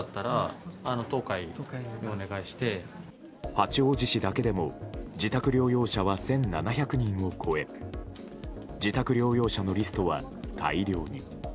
八王子市だけでも自宅療養者は１７００人を超え自宅療養者のリストは大量に。